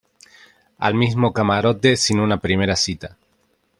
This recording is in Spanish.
al mismo camarote sin una primera cita.